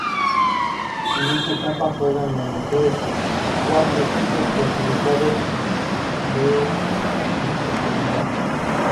En esta etapa juegan los mejores cuatro equipos clasificados del Metropolitano.